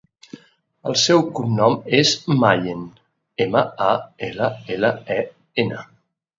El seu cognom és Mallen: ema, a, ela, ela, e, ena.